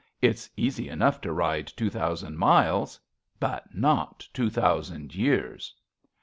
It's easy enough to ride Two thousand miles ; but not two thousand years.